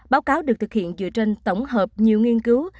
báo cáo được thực hiện dựa trên tổng hợp nhiều nghiên cứu